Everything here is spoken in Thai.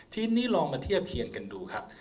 ทีนี้ลองมาเทียบเคียงกันดูครับ